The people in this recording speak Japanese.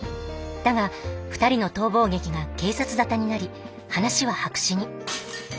だが２人の逃亡劇が警察沙汰になり話は白紙に。